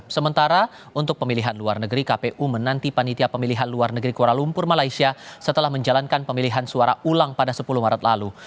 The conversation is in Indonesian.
sementara untuk pemilihan luar negeri kpu menanti panitia pemilihan luar negeri kuala lumpur malaysia setelah menjalankan pemilihan suara ulang pada sepuluh maret lalu